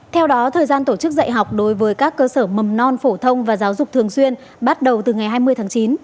theo đó thời gian tổ chức dạy học đối với các cơ sở mầm non phổ thông và giáo dục thường xuyên bắt đầu từ ngày hai mươi tháng chín